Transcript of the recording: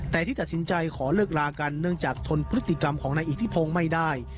แต่ที่ตัดสินใจขอเลิกลากันเนื่องจากทนพฤติกรรมของนายอิทธิพงศ์ไม่ได้